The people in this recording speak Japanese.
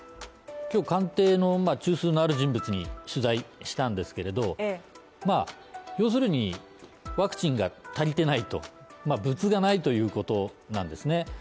今日官邸の中枢のある人物に取材したんですけれども要するにワクチンが足りてないと物がないということなんですね。